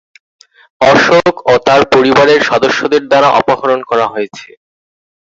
অশোক ও তার পরিবারের সদস্যদের দ্বারা অপহরণ করা হয়েছে।